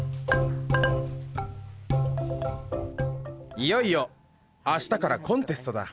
いよいよあしたからコンテストだ。